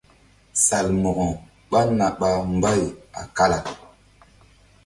Salmo̧ko ɓá na ɓa mbay a kala.